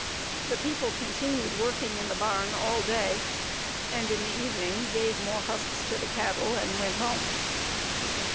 The people continued working in the barn all day, and in the evening gave more husks to the cattle and went home.